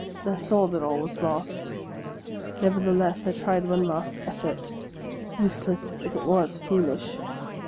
" I SP.W that all was lost ; nevertheless, I tried one last effort, useless as it was foolish.